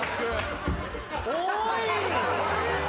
おい！